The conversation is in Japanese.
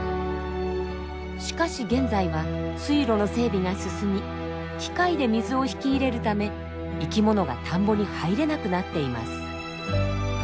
しかし現在は水路の整備が進み機械で水を引き入れるため生きものが田んぼに入れなくなっています。